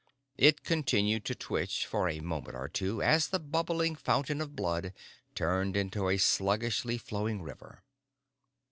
It continued to twitch for a moment or two, as the bubbling fountain of blood turned into a sluggishly flowing river.